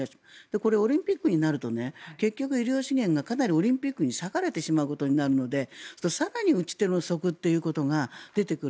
これオリンピックになると結局、医療資源がかなりオリンピックに割かれてしまうことになるので更に打ち手の不足ということが出てくる。